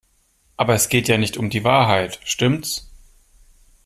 Aber es geht ja nicht um die Wahrheit, stimmts?